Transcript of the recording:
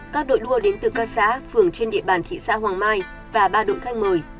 các đội đua đến từ các xã phường trên địa bàn thị xã hoàng mai và ba đội khách mời